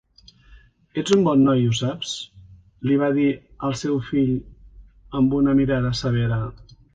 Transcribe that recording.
"Ets un bon noi, ho saps?", li va dir al seu fill amb una mirada severa.